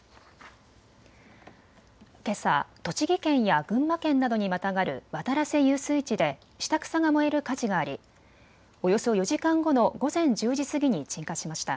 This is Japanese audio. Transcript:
けさ栃木県や群馬県などにまたがる渡良瀬遊水地で下草が燃える火事がありおよそ４時間後の午前１０時過ぎに鎮火しました。